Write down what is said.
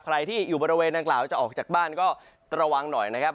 ใครที่อยู่บริเวณนางกล่าวจะออกจากบ้านก็ระวังหน่อยนะครับ